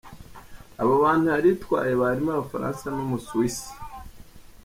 Abo bantu yari itwaye barimwo Abafaransa n' umuswise.